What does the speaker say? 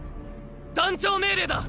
団長命令だ！